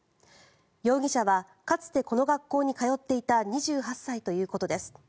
容疑者はかつてこの学校に通っていた２８歳ということです。